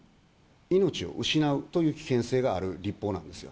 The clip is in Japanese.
命を失うという危険性がある立法なんですよ。